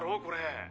これ。